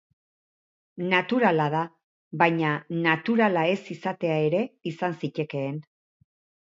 Naturala da, baina naturala ez izatea ere izan zitekeen.